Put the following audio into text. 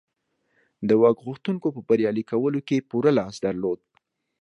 د واک غوښتونکو په بریالي کولو کې یې پوره لاس درلود